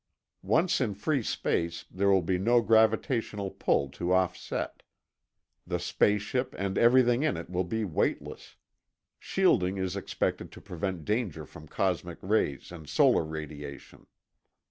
Once in free space, there will be no gravitational pull to offset. The space ship and everything in it will be weightless. Shielding is expected to prevent danger from cosmic rays and solar radiation.